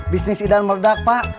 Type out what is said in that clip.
bisnis idan merdak pak